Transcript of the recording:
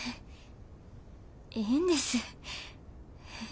いいんです。